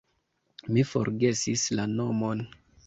Mi forgesis la nomon.